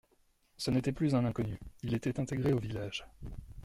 Ce n’était plus un inconnu, il était intégré au village.